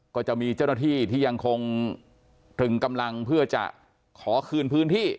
ก็จะมีเจ้าหน้าที่ที่ยังคงตรึงกำลังเพื่อจะขอคืนพื้นที่